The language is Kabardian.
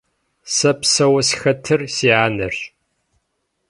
Сэ псэуэ схэтыр си анэрщ.